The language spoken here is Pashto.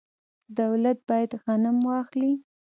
دولت باید غنم واخلي.